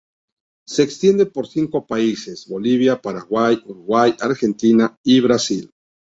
Se extiende por cinco países: Bolivia, Paraguay, Uruguay, Argentina y Brasil.